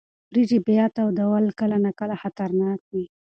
وریجې بیا تودول کله ناکله خطرناک وي.